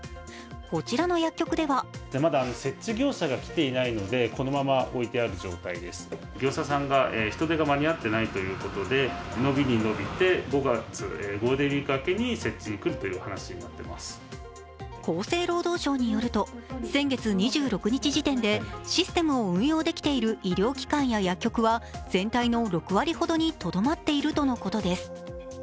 こちらの薬局では厚生労働省によると先月２６日時点でシステムを運用できている医療機関や薬局は全体の６割ほどにとどまっているとのことです。